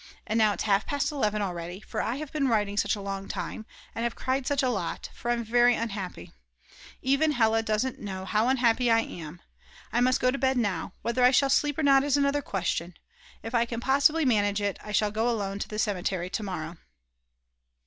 And now it's half past 11 already, for I have been writing such a long time, and have cried such a lot, for I'm very unhappy. Even Hella doesn't know how unhappy I am. I must go to bed now; whether I shall sleep or not is another question. If I can possibly manage it, I shall go alone to the cemetery to morrow.